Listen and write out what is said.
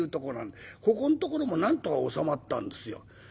ここのところもなんとか収まったんですよ。